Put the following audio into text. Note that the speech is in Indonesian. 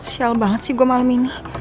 shell banget sih gue malam ini